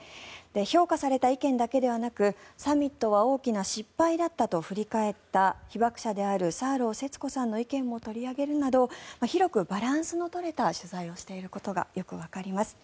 評価された意見だけではなくサミットは大きな失敗だったと振り返った被爆者であるサーロー節子さんの意見も取り上げるなど広くバランスの取れた取材をしていることがよくわかります。